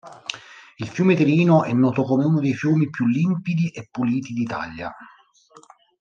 Il fiume Tirino è noto come uno dei fiumi più limpidi e puliti d'Italia.